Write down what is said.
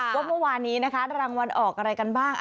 ว่าวันนี้รางวัลออกอะไรกันบ้าง